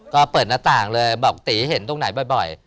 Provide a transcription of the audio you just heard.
ก็เปิดหน้าต่างเลยบอกตีเห็นตรงไหนบ่อย